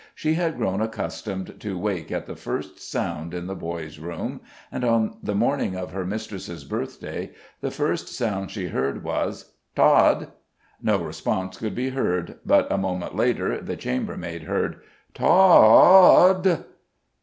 She had grown accustomed to wake at the first sound in the boys' room, and on the morning of her mistress's birthday the first sound she heard was: "Tod!" No response could be heard; but a moment later the chambermaid heard: "T o o od!"